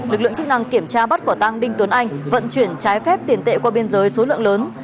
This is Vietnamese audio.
lực lượng chức năng kiểm tra bắt quả tăng đinh tuấn anh vận chuyển trái phép tiền tệ qua biên giới số lượng lớn